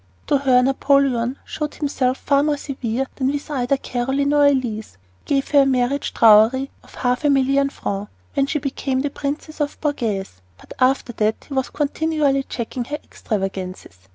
To her Napoleon showed himself far more severe than with either Caroline or Elise. He gave her a marriage dowry of half a million francs when she became the Princess Borghese, but after that he was continually checking her extravagances.